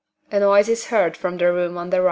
[A noise is heard from the room on the right.